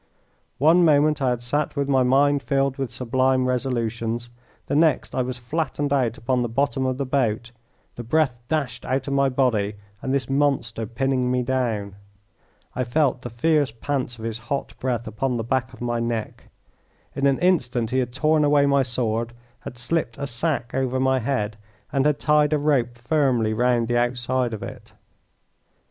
One moment I had sat with my mind filled with sublime resolutions, the next I was flattened out upon the bottom of the boat, the breath dashed out of my body, and this monster pinning me down. I felt the fierce pants of his hot breath upon the back of my neck. In an instant he had torn away my sword, had slipped a sack over my head, and had tied a rope firmly round the outside of it.